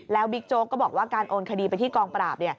แล้วบิ๊กโจ๊กก็บอกว่าการโอนคดีไปที่กองปราบ